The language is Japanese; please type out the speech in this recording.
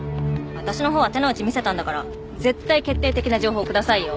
私のほうは手の内見せたんだから絶対決定的な情報くださいよ。